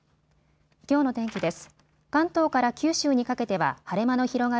きょうの天気です。